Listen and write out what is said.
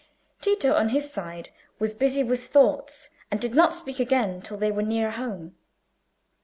Tito, on his side, was busy with thoughts, and did not speak again till they were near home.